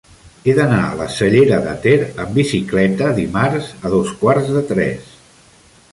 He d'anar a la Cellera de Ter amb bicicleta dimarts a dos quarts de tres.